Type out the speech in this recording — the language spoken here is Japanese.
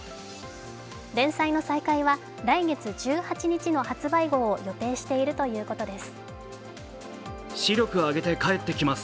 連載の再開は来月１８日の発売号から予定しているということです。